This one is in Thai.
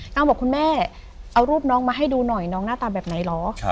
บอกคุณแม่เอารูปน้องมาให้ดูหน่อยน้องหน้าตาแบบไหนเหรอ